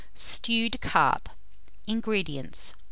STEWED CARP. 243. INGREDIENTS.